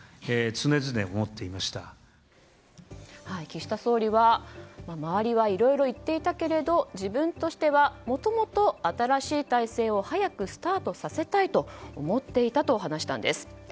岸田総理は周りはいろいろ言っていたけれど自分としてはもともと新しい体制を早くスタートさせたいと思っていたと話したんです。